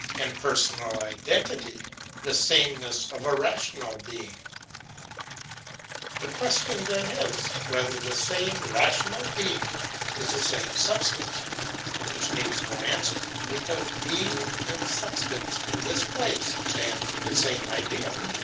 and personal identity, the sameness of a rational Being} The question then is, whether the same rational being is the same substance : which needs no answer, because Being and Substance, in this place, stand for the same idea.